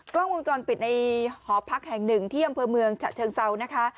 กล้องวงจรปิดในหอพักแห่งหนึ่งที่อำเภอเมืองฉะเชิงเซานะคะ